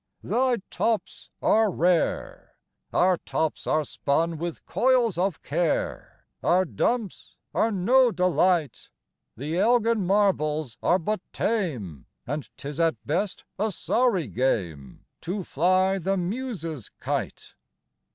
thy tops are rare! Our tops are spun with coils of care, Our dumps are no delight! The Elgin marbles are but tame, And 'tis at best a sorry game To fly the Muse's kite!